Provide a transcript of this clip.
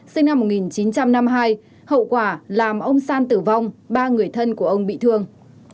sinh năm một nghìn chín trăm năm mươi hai hậu quả làm ông san tử vong ba người thân của ông bị thương